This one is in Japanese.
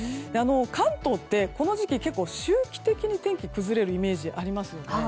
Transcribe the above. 関東って、この時期結構、周期的に天気が崩れるイメージがありますよね。